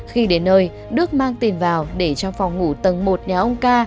khi đến nơi đức mang tiền vào để trong phòng ngủ tầng một nhà ông ca